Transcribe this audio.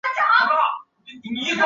格雷涅蒙特贡。